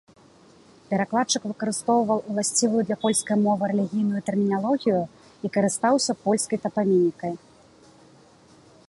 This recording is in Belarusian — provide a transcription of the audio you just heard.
Перакладчык выкарыстоўваў уласцівую для польскай мовы рэлігійную тэрміналогію і карыстаўся польскай тапанімікай.